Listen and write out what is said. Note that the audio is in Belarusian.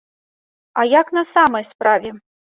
А як на самай справе?